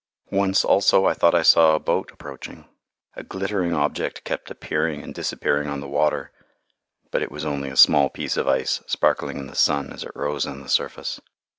Once, also, I thought I saw a boat approaching. A glittering object kept appearing and disappearing on the water, but it was only a small piece of ice sparkling in the sun as it rose on the surface.